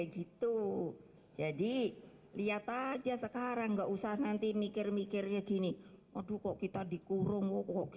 gitu jadi lihat aja sekarang nggak usah nanti mikir mikirnya gini aduh kok kita dikurung kok